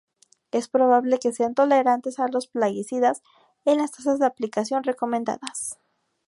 Es probable que sean tolerantes a los plaguicidas en las tasas de aplicación recomendadas.